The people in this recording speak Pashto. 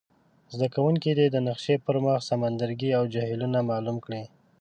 زده کوونکي دې د نقشي پر مخ سمندرګي او جهیلونه معلوم کړي.